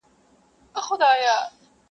• پروت په سترګو کي مي رنګ رنګ د نسو دی..